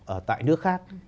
ở tại nước khác